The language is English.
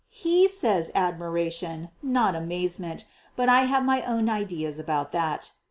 He says admiration, not amazement, but I have my own ideas about that.